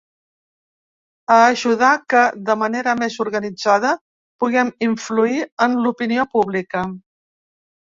A ajudar que, de manera més organitzada, puguem influir en l’opinió pública.